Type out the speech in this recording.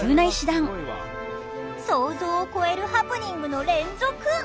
想像を超えるハプニングの連続！